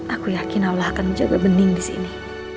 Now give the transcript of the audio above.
aku yakin allah akan menjaga bening di sini